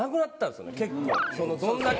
「どんだけ！」